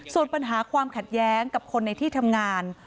ส่วนปัญหาความขัดแย้งกับคนในที่ทำงาน